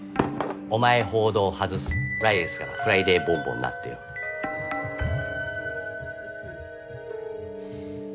お前報道外す来月から「フライデーボンボン」なってよ。ははっ。